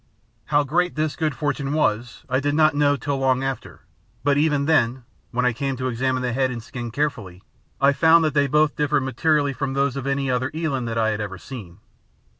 How great this good fortune was I did not know till long after; but even then, when I came to examine the head and skin carefully, I found that they both differed materially from those of any other eland that I had ever seen.